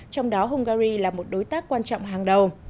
trong đó hungary là một đối tác quan trọng hàng đầu